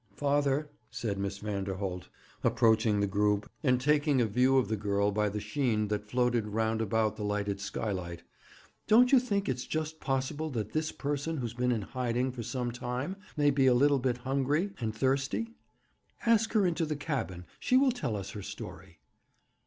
'Father,' said Miss Vanderholt, approaching the group, and taking a view of the girl by the sheen that floated round about the lighted skylight, 'don't you think it's just possible that this person who's been in hiding for some time may be a little bit hungry and thirsty? Ask her into the cabin. She will tell us her story.'